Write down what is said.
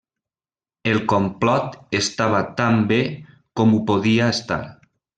El complot estava tan bé com ho podia estar.